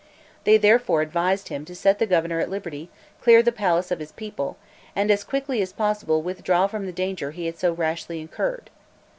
They therefore advised him to set the governor at liberty, clear the place of his people, and, as quickly as possible, withdraw from the danger he had so rashly incurred.